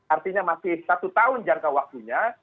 artinya masih satu tahun jangka waktunya